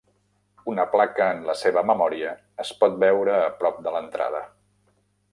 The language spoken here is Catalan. Una placa en la seva memòria es pot veure a prop de l'entrada.